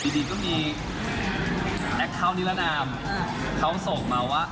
ดีก็มีแอคเคาท์นิลนามเขาส่งมาว่า